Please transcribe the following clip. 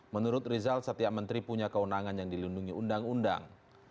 menurut rizal setiap menteri punya kewenangan yang dilindungi undang undang